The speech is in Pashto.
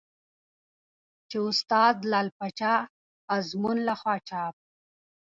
چې استاد لعل پاچا ازمون له خوا چاپ